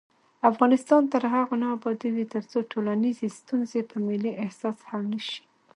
افغانستان تر هغو نه ابادیږي، ترڅو ټولنیزې ستونزې په ملي احساس حل نشي.